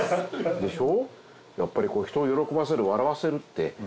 でしょ？